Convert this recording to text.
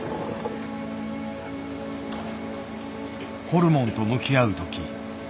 ホルモンと向き合う時